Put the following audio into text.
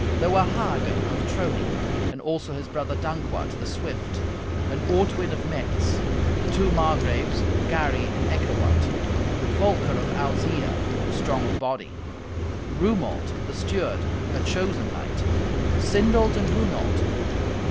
There were Hagen of Trony, and also his brother Dankwart the swift; and Ortwin of Metz; the two Margraves, Gary and Eckewart; Volker of Alzeia, strong of body; Rumolt, the steward, a chosen knight; Sindolt and Hunolt.